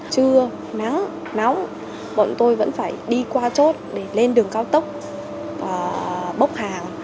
chưa nắng nóng bọn tôi vẫn phải đi qua chốt để lên đường cao tốc bốc hàng